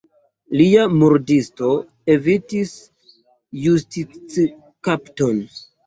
Lia murdisto evitis justickapton.